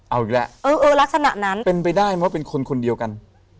เอาอีกแล้วเออเออลักษณะนั้นเป็นไปได้เพราะเป็นคนคนเดียวกัน